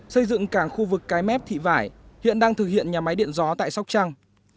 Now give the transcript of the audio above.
xây dựng cảng khu vực cái mép thị vải hiện đang thực hiện nhà máy điện gió tại sóc trăng